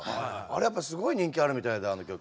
あれやっぱすごい人気あるみたいであの曲。